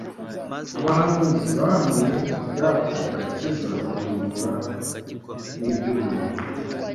Abahanuzi bahanuye iby’ako gakiza barondora n’iby’ubuntu